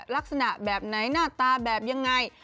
ลักษณะแบบไหนหน้าตาแบบยังไง